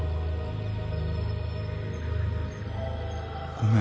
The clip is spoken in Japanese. ごめん。